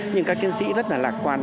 nhưng các chiến sĩ rất là lạc quan